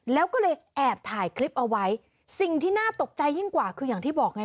แล้วก็เลยแอบถ่ายคลิปเอาไว้สิ่งที่น่าตกใจยิ่งกว่าคืออย่างที่บอกไง